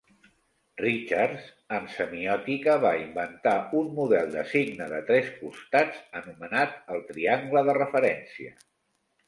Richards, en semiòtica, va inventar un model de signe de tres costats anomenat el triangle de referència.